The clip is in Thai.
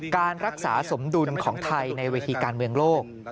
การรักษาสมดุลของไทยในเวทีการเมืองโลก